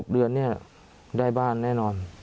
เดือนนี้ได้บ้านแน่นอน